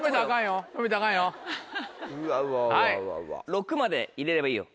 ６まで入れればいいよ。